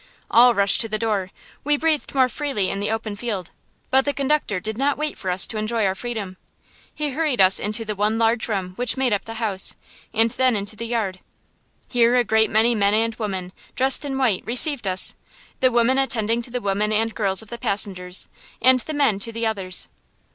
All rushed to the door. We breathed more freely in the open field, but the conductor did not wait for us to enjoy our freedom. He hurried us into the one large room which made up the house, and then into the yard. Here a great many men and women, dressed in white, received us, the women attending to the women and girls of the passengers, and the men to the others.